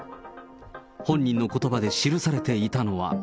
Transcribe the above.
本人のことばで記されていたのは。